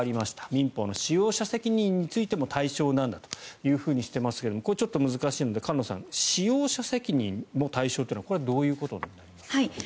民法の使用者責任についても対象なんだとしてますがこれ、ちょっと難しいので菅野さん、使用者責任も対象というのはどういうことですか。